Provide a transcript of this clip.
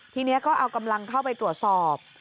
ทีนี้ก็เอากำลังเข้าไปตรวจสอบ